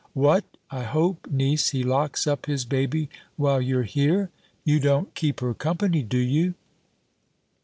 What! I hope, niece, he locks up his baby, while you're here? You don't keep her company, do you?"